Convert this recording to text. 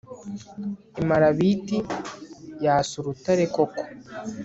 imarabiti yasa urutare koko